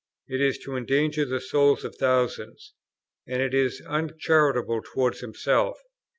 It is to endanger the souls of thousands, and it is uncharitable towards himself."